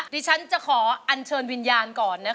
ที่ฉันจะขออนเชิญวิญญาณก่อนนะครับ